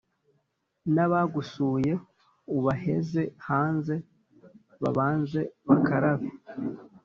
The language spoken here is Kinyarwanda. N’abagusuye ubaheze hanze babanze bakarabe